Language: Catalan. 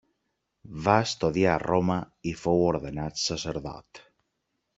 Va estudiar a Roma i fou ordenat sacerdot.